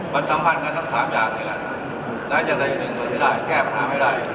มันสำคัญกันทั้งสามอย่างอย่างนั้นและอย่างใดหนึ่งมันไม่ได้แก้ปัญหาไม่ได้